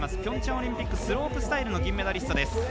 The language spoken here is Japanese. オリンピックスロープスタイルの銀メダリストです。